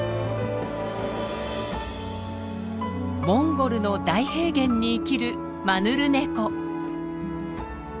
モンゴルの大平原に生きるマヌルネコ。